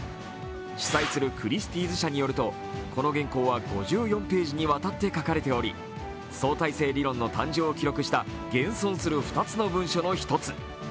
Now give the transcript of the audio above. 主催するクリスティーズ社によるとこの原稿は４４ページにわたって書かれており相対性理論の誕生を記録した現存する２つの文書の１つ。